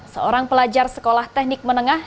seorang pelajar sekolah teknik menengah